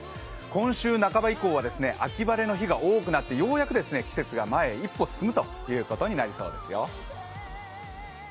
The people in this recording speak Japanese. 今週半ば以降は秋晴れの日が多くなって、ようやく季節が前に一歩進むということですよ。